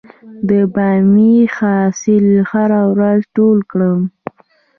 د بامیې حاصل هره ورځ ټول کړم؟